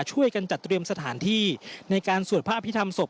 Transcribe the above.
ช่วยกันจัดเตรียมสถานที่ในการสวดพระอภิษฐรรศพ